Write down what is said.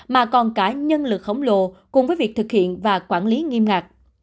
mà còn cả nhân lực khổng lồ cùng với việc thực hiện và quản lý nghiêm ngạc